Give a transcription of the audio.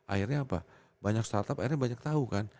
akhirnya apa banyak startup akhirnya banyak tahu kan